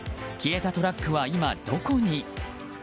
消えたトラックは今どこに？